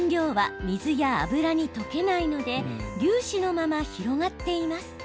顔料は、水や油に溶けないので粒子のまま広がっています。